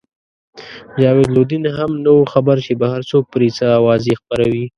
جاوید لودین هم نه وو خبر چې بهر څوک پرې څه اوازې خپروي.